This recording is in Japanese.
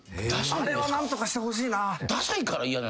あれは何とかしてほしいな。